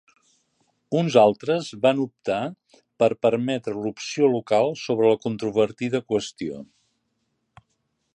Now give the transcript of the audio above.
Uns altres van optar per permetre l'opció local sobre la controvertida qüestió.